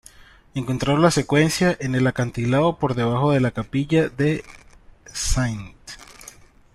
Encontraron la secuencia en el acantilado por debajo de la capilla de St.